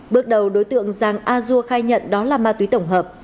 bước đầu đối tượng giàng a dua khai nhận đó là ma túy tổng hợp